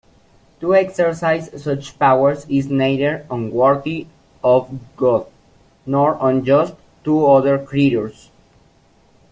To exercise such powers is neither unworthy of God nor unjust to other creatures.